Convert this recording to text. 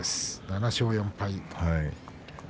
７勝４敗。